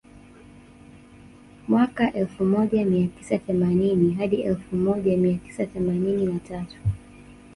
Mwaka elfu moja mia tisa themanini hadi elfu moja mia tisa themanini na tatu